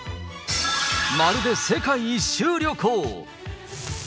まるで世界一周旅行？